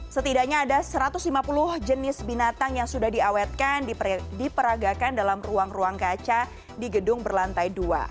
setidaknya ada satu ratus lima puluh jenis binatang yang sudah diawetkan diperagakan dalam ruang ruang kaca di gedung berlantai dua